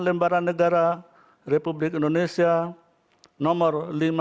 lembaran negara republik indonesia nomor lima ribu dua ratus dua puluh enam